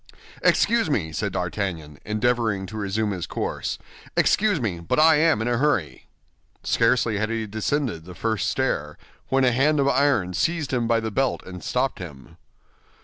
"Excuse me," said D'Artagnan, endeavoring to resume his course, "excuse me, but I am in a hurry." Scarcely had he descended the first stair, when a hand of iron seized him by the belt and stopped him.